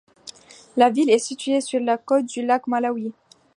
La ville est située sur la côte du lac Malawi.